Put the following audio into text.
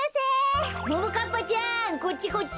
ももかっぱちゃんこっちこっち！